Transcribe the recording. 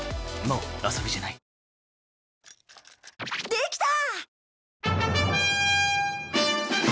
できた！